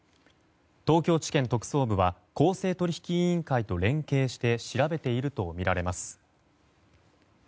東京地検特捜部は公正取引委員会と連携して調べているとみられます。